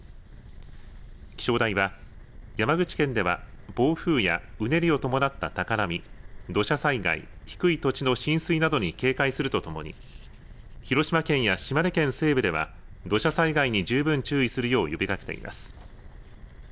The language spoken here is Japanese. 気象台は山口県では暴風やうねりを伴った高波、土砂災害、低い土地の浸水などに警戒するとともに広島県や島根県西部では土砂災害に十分注意するよう呼びかけています。